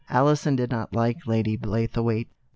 Alison did not like Lady Blaythewaite.